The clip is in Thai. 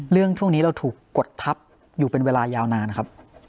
ช่วงนี้เราถูกกดทับอยู่เป็นเวลายาวนานครับ